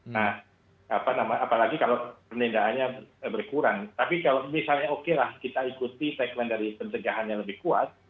nah apalagi kalau penindaannya berkurang tapi kalau misalnya okelah kita ikuti tagline dari pencegahan yang lebih kuat